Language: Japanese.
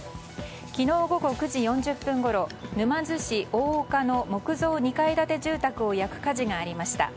昨日午後９時４０分ごろ沼津市大岡の木造２階建て住宅を焼く火事がありました。